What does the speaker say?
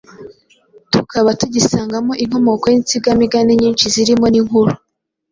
tukaba tugisangamo inkomoko y’insingamigani nyinshi zirimo n’"Inkuru